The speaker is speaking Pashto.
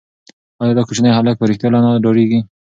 ایا دا کوچنی هلک په رښتیا له انا ډارېږي؟